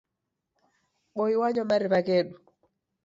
Boi wanywa mariw'a ghedu.